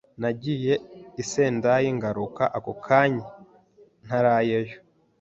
Nagiye i Sendai ngaruka ako kanya ntarayeyo.